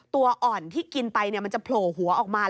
ตัวอ่อนที่กินไปมันจะโผล่หัวออกมา